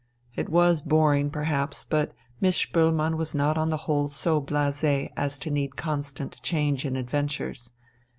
It was boring, perhaps, but Miss Spoelmann was not on the whole so blasé as to need constant change and adventures.